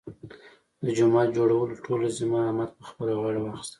د جومات جوړولو ټوله ذمه احمد په خپله غاړه واخیستله.